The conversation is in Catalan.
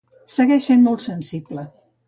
Segueix sent molt sensible.